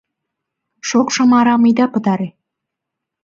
Шокшым арам ида пытаре!